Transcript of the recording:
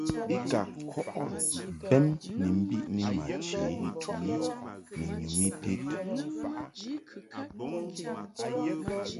Bɛn ni mbiʼni ma chə ni nyum ited.